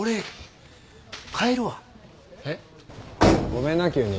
ごめんな急に。